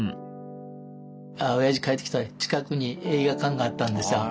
おやじ帰ってきたら近くに映画館があったんですよ。